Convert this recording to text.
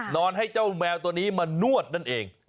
นอนให้เจ้าแมวตัวนี้มานวดนั่นเอง